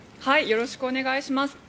よろしくお願いします。